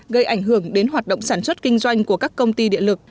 gây ảnh hưởng đến hoạt động sản xuất kinh doanh của các công ty điện lực